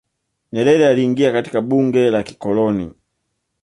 nyerere aliingia katika bunge la kikoloni